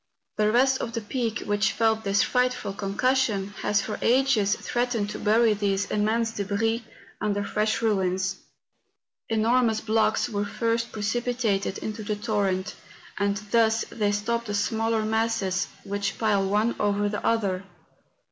The rest of the peak which felt this frightful concussion lias for ages threatened to bury these immense 120 MOUNTAIN ADVENTURES. debris under fresh ruins. Enormous blocks were first precipitated into the torrent, and thus they stop the smaller masses which pile one over the other.